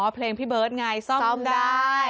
เพลงพี่เบิร์ตไงซ่อมได้